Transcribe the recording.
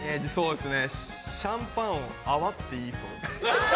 シャンパンを泡って言いそう。